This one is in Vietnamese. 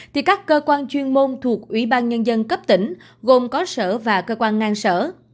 thì các cơ quan chuyên môn thuộc ubnd cấp tỉnh gồm có sở và cơ quan ngang sở